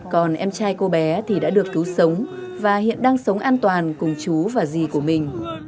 còn em trai cô bé thì đã được cứu sống và hiện đang sống an toàn cùng chú và dì của mình